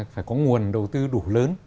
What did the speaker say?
phải có nguồn đầu tư đủ lớn